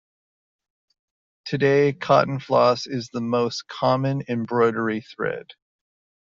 Today cotton floss is the most common embroidery thread.